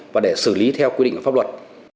và để xử lý theo quy định của pháp luật